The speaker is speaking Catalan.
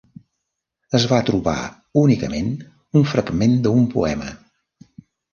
Es va trobar únicament un fragment d'un poema.